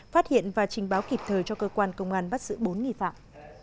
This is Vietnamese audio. phát hiện và trình báo kịp thời cho cơ quan công an bắt giữ bốn nghi phạm